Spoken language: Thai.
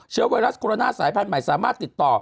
ไวรัสโคโรนาสายพันธุ์ใหม่สามารถติดต่อ